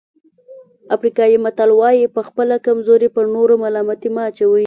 افریقایي متل وایي په خپله کمزوري پر نورو ملامتي مه اچوئ.